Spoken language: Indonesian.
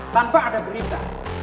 tanpa ada berita